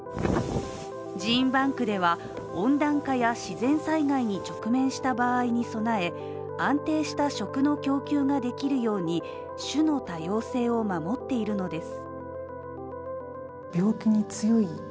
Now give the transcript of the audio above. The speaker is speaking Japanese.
ジーンバンクでは温暖化や自然災害に直面した場合に備え安定した食の供給ができるように種の多様性を守っているのです。